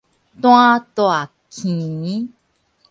單大鉗